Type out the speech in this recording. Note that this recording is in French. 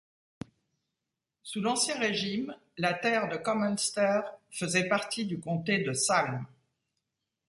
Sous l’Ancien Régime, la terre de Commanster faisait partie du comté de Salm.